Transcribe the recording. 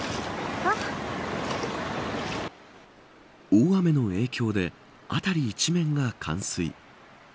大雨の影響で辺り一面が冠水。